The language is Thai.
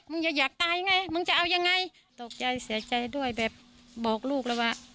จะอยากตายไงมึงจะเอายังไงตกใจเสียใจด้วยแบบบอกลูกแล้วว่า